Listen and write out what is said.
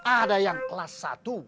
ada yang kelas satu